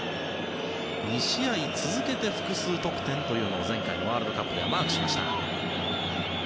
２試合続けて複数得点というのを前回のワールドカップではマークしました。